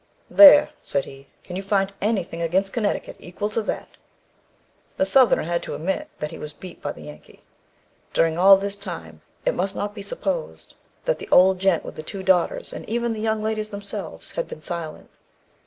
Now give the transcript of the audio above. "There," said he, "can you find anything against Connecticut equal to that?" The Southerner had to admit that he was beat by the Yankee. During all this time, it must not be supposed that the old gent with the two daughters, and even the young ladies themselves, had been silent.